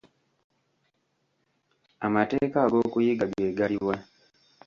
Amateeka ag'okuyiga ge galiwa?